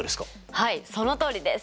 はいそのとおりです！